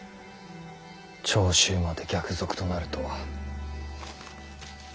長州まで逆賊となるとは。